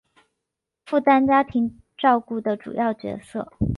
负担家庭照顾的主要角色